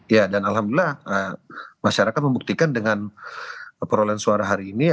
ya dan alhamdulillah masyarakat membuktikan dengan perolehan suara hari ini